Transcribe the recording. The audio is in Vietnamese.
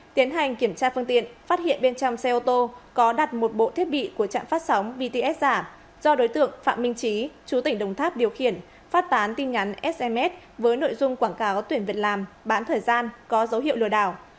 tiến hành kiểm tra phương tiện phát hiện bên trong xe ô tô có đặt một bộ thiết bị của trạm phát sóng bts giả do đối tượng phạm minh trí chú tỉnh đồng tháp điều khiển phát tán tin nhắn sms với nội dung quảng cáo tuyển việc làm bán thời gian có dấu hiệu lừa đảo